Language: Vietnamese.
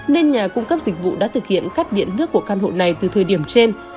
nên nhà cung cấp dịch vụ đã thực hiện cắt điện nước của căn hộ này từ thời điểm trên